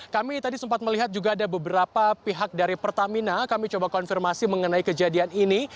kami tadi sempat melihat juga ada beberapa pihak dari pertamina kami coba konfirmasi mengenai kejadian ini